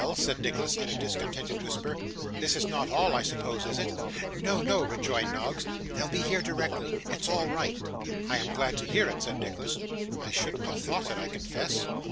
said Nicholas, in a discontented whisper, 'this is not all, I suppose, is it?' 'No, no,' rejoined Noggs; 'they'll be here directly. It's all right.' 'I am glad to hear it,' said Nicholas. 'I shouldn't have thought it, I confess.